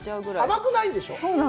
甘くないんでしょう？